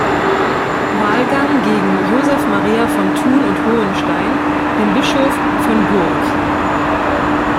Wahlgang gegen Joseph Maria von Thun und Hohenstein, den Bischof von Gurk.